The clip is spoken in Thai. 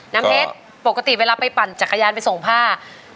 น้ำเพชรปกติเวลาไปปั่นจักรยานไปส่งผ้า